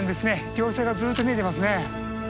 稜線がずっと見えてますね。